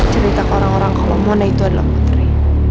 cerita ke orang orang kalau mona itu adalah putri